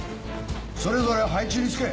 それぞれ配置につけ！